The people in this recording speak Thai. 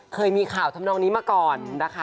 เคยมีข่าวทำนองนี้มาก่อนนะคะ